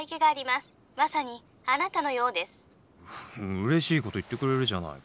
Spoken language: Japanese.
うれしいこと言ってくれるじゃないか。